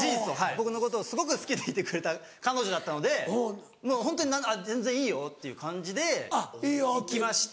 僕のことをすごく好きでいてくれた彼女だったのでホントに「全然いいよ」っていう感じで行きまして。